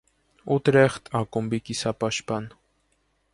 «Ուտրեխտ» ակումբի կիսապաշտպան։